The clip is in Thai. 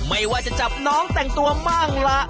ไม่ว่าจะจับน้องแต่งตัวบ้างละ